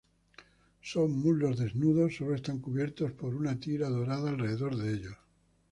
Sus muslos desnudos solo están cubiertos por una tira dorada alrededor de ellos.